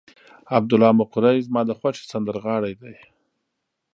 عبدالله مقری زما د خوښې سندرغاړی دی.